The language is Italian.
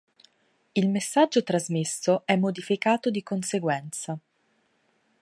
Il messaggio trasmesso è modificato di conseguenza.